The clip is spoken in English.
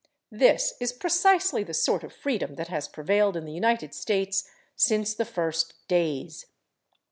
This is precisely the sort of freedom that has prevailed in the United States since the first days.